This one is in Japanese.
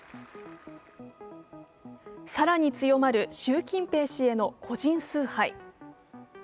更に強まる習近平氏への個人崇拝。